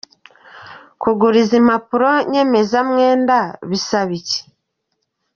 Kugura izi mpapuro nyemezamwenda bisaba iki? .